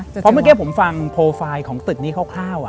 เพราะเมื่อกี้ผมฟังโปรไฟล์ของตึกนี้คร่าว